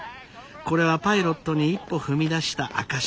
これはパイロットに一歩踏み出した証し。